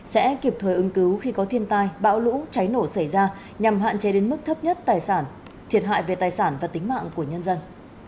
sẽ kịp thời ứng cứu khi có thiên tai bão lũ cháy nổ xảy ra nhằm hạn chế đến mức thấp nhất tài sản thiệt hại về tài sản và tính mạng của nhân dân